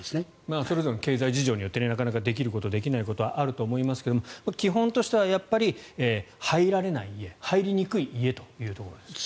それぞれの経済事情によってなかなか、できることできないことあると思いますが基本としては入られない家入りにくい家ということですね。